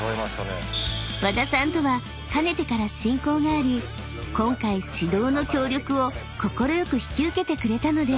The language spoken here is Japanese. ［和田さんとはかねてから親交があり今回指導の協力を快く引き受けてくれたのです］